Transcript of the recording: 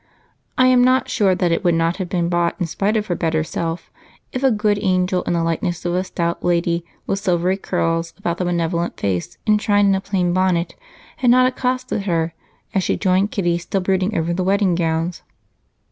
It is not certain that it would not have been bought in spite of her better self if a good angel in the likeness of a stout lady with silvery curls about the benevolent face, enshrined in a plain bonnet, had not accosted her as she joined Kitty, still brooding over the wedding gowns.